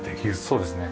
そうですね。